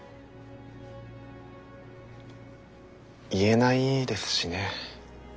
言えないですしね。